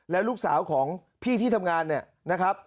แล้วลูกสาวของพี่ที่ทำงานเนี่ยนะครับ